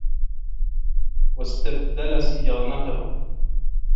وَاسْتَبْذَلَ صِيَانَتَهُ